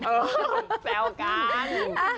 เออแซวกัน